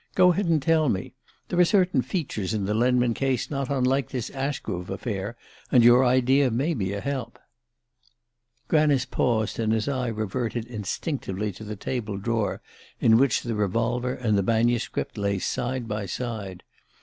Go ahead and tell me. There are certain features in the Lenman case not unlike this Ashgrove affair, and your idea may be a help." Granice paused and his eye reverted instinctively to the table drawer in which the revolver and the manuscript lay side by side.